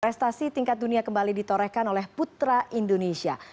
prestasi tingkat dunia kembali ditorehkan oleh putra indonesia